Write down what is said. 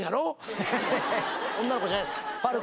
女の子じゃないです。